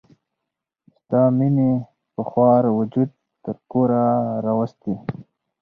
ستا مینې په خوار وجود تر کوره راوستي.